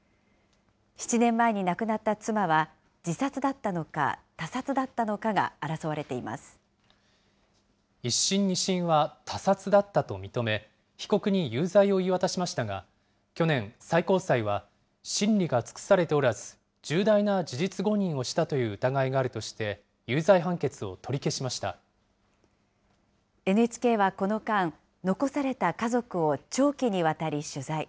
７年前に亡くなった妻は自殺だったのか、１審、２審は他殺だったと認め、被告に有罪を言い渡しましたが、去年、最高裁は審理が尽くされておらず、重大な事実誤認をしたという疑いがあるとして、有罪判決を取り消ＮＨＫはこの間、残された家族を長期にわたり取材。